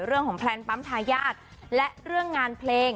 เรื่องของแวลน์ปั๊มธายาศและเรื่องงานเพลง